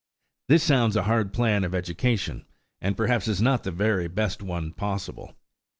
This sounds a hard plan of education, and perhaps is not the very best one possible.